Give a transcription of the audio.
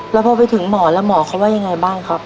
แล้วพอไปถึงหมอแล้วหมอเขาว่ายังไงบ้างครับ